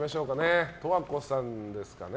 十和子さんですかね。